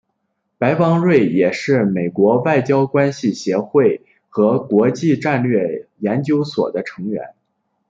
白邦瑞也是美国外交关系协会和国际战略研究所的成员。